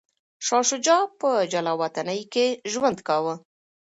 شاه شجاع په جلاوطنۍ کي ژوند کاوه.